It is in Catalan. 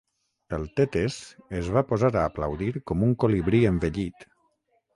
El Tetes es va posar a aplaudir com un colibrí envellit.